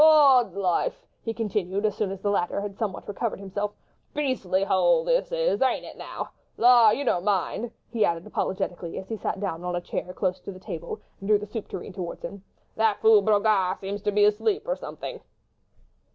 "Odd's life!" he continued, as soon as the latter had somewhat recovered himself, "beastly hole this ... ain't it now? La! you don't mind?" he added, apologetically, as he sat down on a chair close to the table and drew the soup tureen towards him. "That fool Brogard seems to be asleep or something."